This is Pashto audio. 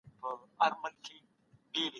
پخواني عالمان د خپل وخت هوښیار خلګ وو.